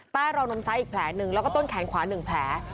ใต้ราวนมซ้ายอีกแผลหนึ่งแล้วก็ต้นแขนขวา๑แผล